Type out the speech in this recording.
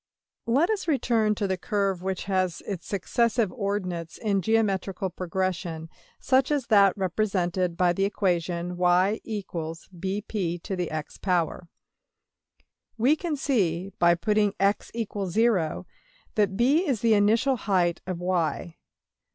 } Let us return to the curve which has its successive ordinates in geometrical progression, such as that represented by the equation $y=bp^x$. We can see, by putting $x=0$, that $b$ is the initial height of~$y$.